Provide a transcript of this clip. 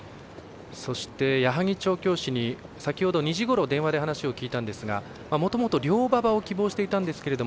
そして、矢作調教師に先ほど２時ごろ電話で話を聞いたんですがもともと良馬場を希望したんですけれど